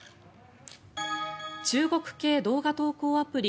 中国系動画投稿アプリ